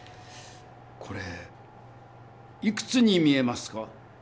これいくつに見えますか？